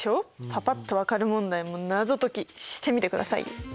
パパっと分かる問題も謎解きしてみてください。